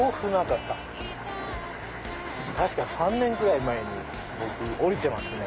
確か３年ぐらい前に僕降りてますね。